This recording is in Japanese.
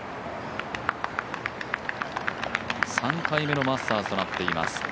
３回目のマスターズとなっています